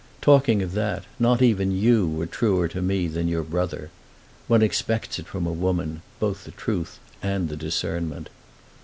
Talking of that, not even you were truer to me than your brother. One expects it from a woman; both the truth and the discernment.